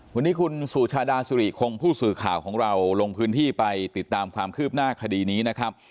วันนี้คุณสุชาดาสุริคงผู้สื่อข่าวของเราลงพื้นที่ไปติดตามความคืบหน้าคดีนี้นะครับ